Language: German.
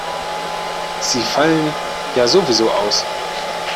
Sie fallen ja sowieso aus.